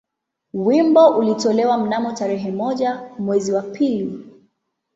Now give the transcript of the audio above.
Wimbo ulitolewa mnamo tarehe moja mwezi wa pili